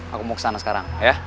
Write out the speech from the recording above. aku mau kesana sekarang ya